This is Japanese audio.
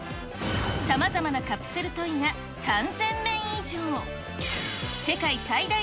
さまざまなカプセルトイが３０００面以上。